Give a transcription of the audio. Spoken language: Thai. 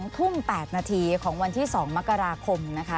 ๒ทุ่ม๘นาทีของวันที่๒มกราคมนะคะ